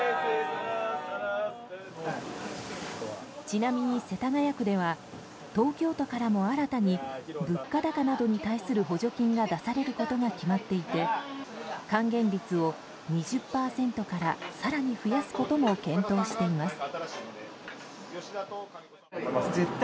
ちなみに世田谷区では東京都からも新たに物価高などに対する補助金が出されることが決まっていて還元率を２０％から更に増やすことも検討しています。